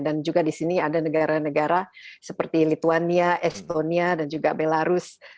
dan juga di sini ada negara negara seperti lituania estonia dan juga belarus